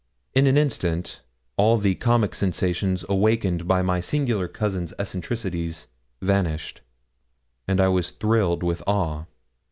In an instant all the comic sensations awakened by my singular cousin's eccentricities vanished, and I was thrilled with awe.